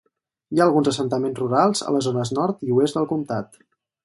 Hi ha alguns assentaments rurals a les zones nord i oest del comtat.